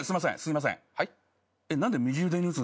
すいません。